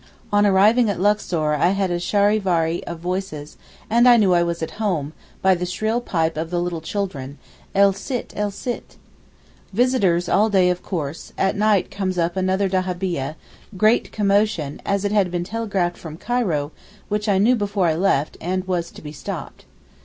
On arriving at Luxor I heard a charivari of voices, and knew I was 'at home,' by the shrill pipe of the little children, el Sitt, el Sitt. Visitors all day of course, at night comes up another dahabieh, great commotion, as it had been telegraphed from Cairo (which I knew before I left, and was to be stopped).